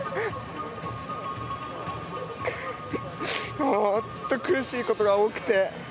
本当に苦しいことが多くて。